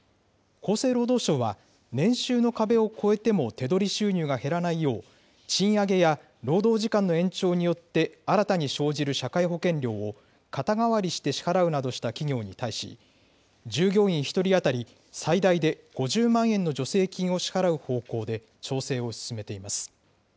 厚生労働省は、年収の壁を超えても手取り収入が減らないよう、賃上げや労働時間の延長によって新たに生じる社会保険料を肩代わりして支払うなどした企業に対し、従業員１人当たり最大で５０万円の助成金を支払う方向で調整を進めています。